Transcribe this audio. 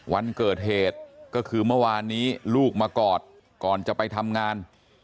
วันเกิดเหตุก็คือเมื่อวานนี้ลูกมากอดก่อนจะไปทำงาน